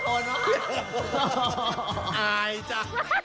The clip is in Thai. พอดีเจอพี่หนุ่มพี่หนุ่มผอมลงเยอะมาก